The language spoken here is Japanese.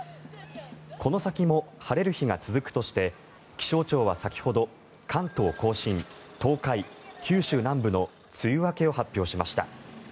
この先も晴れる日が続くとして気象庁は先ほど関東・甲信、東海、九州南部の梅雨明けを発表しました。